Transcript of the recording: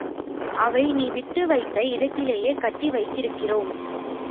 அவை நீ விட்டு வைத்த இடத்திலேயே கட்டி வைத்திருக்கிறோம்.